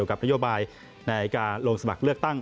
ในรายการโรงสมัครเลือกตั้ง